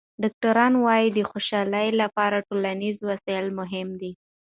ډاکټران وايي د خوشحالۍ لپاره ټولنیز وصل مهم دی.